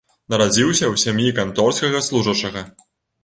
Нарадзіўся ў сям'і канторскага служачага.